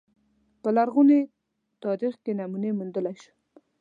په لرغوني تاریخ کې نمونې موندلای شو